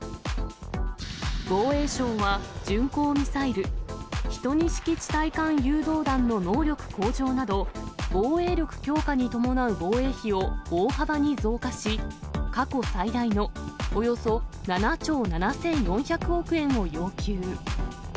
防衛省は巡航ミサイル、１２式地対艦誘導弾の能力向上など、防衛力強化に伴う防衛費を大幅に増加し、過去最大のおよそ７兆７４００億円を要求。